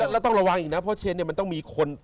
แล้วต้องระวังอีกนะเพราะเชนมันต้องมีคน